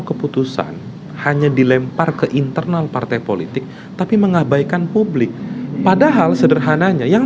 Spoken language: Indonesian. keputusan hanya dilempar ke internal partai politik tapi mengabaikan publik padahal sederhananya yang